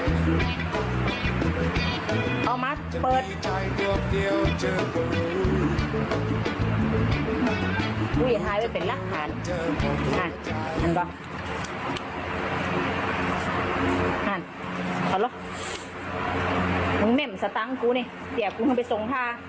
น้องเน่มสตางค์กูเนี่ยเดี๋ยวกูมาไปส่งผ้า